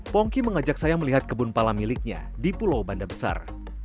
pongki mengajak saya melihat kebun pala miliknya di pulau banda besar